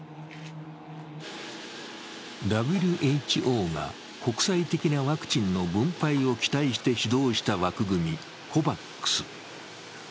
ＷＨＯが国際的なワクチンの分配を期待して主導した枠組み、ＣＯＶＡＸ。